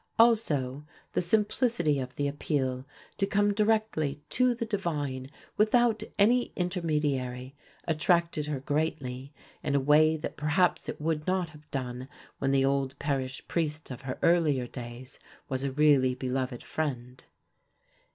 Also the simplicity of the appeal, to come directly to the divine without any intermediary, attracted her greatly in a way that perhaps it would not have done when the old parish priest of her earlier days was a really beloved friend.